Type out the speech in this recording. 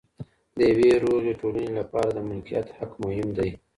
د یوې روغې ټولني لپاره د ملکیت حق مهم دی.